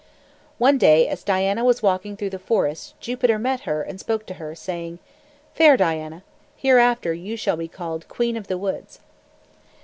One day as Diana was walking through the forest, Jupiter met her and spoke to her, saying, "Fair Diana, hereafter you shall be called Queen of the Woods."